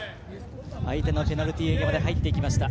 相手のペナルティーエリアまで入っていきました。